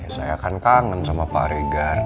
saya kan kangen sama pak regar